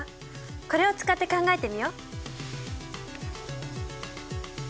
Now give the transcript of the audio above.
これを使って考えてみよう。